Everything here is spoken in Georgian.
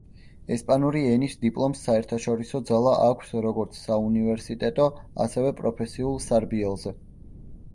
ესპანური ენის დიპლომს საერთაშორისო ძალა აქვს როგორც საუნივერსიტეტო, ასევე პროფესიულ სარბიელზე.